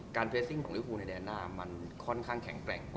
เฟสซิ่งของลิฟูในแดนหน้ามันค่อนข้างแข็งแกร่งกว่า